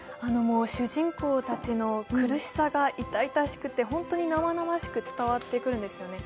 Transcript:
主人公たちの苦しさが痛々しくて、本当に生々しく伝わってくるんですよね。